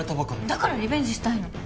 だからリベンジしたいの。